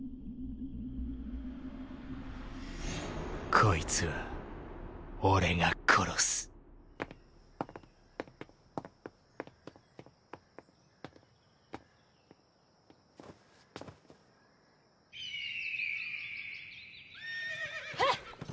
こいつは俺が殺すハッ！